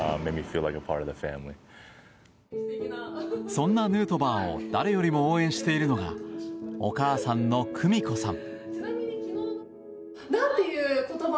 そんなヌートバーを誰よりも応援しているのがお母さんの久美子さん。